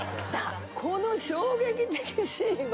この衝撃的シーンは。